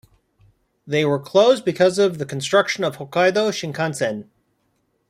They were closed because of the construction of Hokkaido Shinkansen.